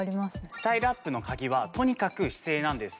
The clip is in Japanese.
スタイルアップのカギはとにかく姿勢なんです。